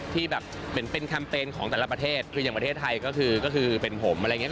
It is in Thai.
ที่แบบเป็นแคมเปญของแต่ละประเทศคืออย่างประเทศไทยก็คือก็คือเป็นผมอะไรอย่างนี้